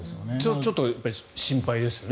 ちょっと心配ですよね。